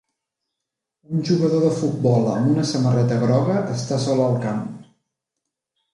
Un jugador de futbol amb una samarreta groga està sol al camp.